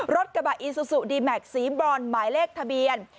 รถกระบะอีซูซูดีแม็กซสีบรอนหมายเลขทะเบียน